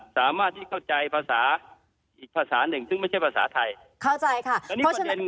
สามารถที่เข้าใจภาษาอีกภาษาหนึ่งซึ่งไม่ใช่ภาษาไทยเข้าใจค่ะ